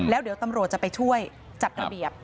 แล้วเดี๋ยวตำรวจจะไปช่วยจัดระเบียบ